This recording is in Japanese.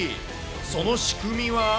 その仕組みは。